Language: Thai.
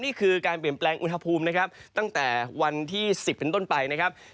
นี่คือการเปลี่ยนแปลงอุณหภูมินะครับตั้งแต่วันที่๑๐เป็นต้นไปนะครับ